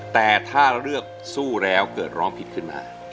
แต่ถ้าเลือกสู้แล้วเกิดร้องผิดขึ้นมา